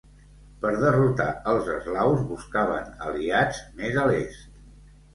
Per derrotar els eslaus, buscaven aliats més a l'Est.